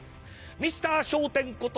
「ミスター笑点」こと